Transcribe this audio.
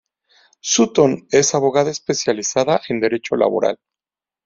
Sutton es abogada especializada en derecho laboral.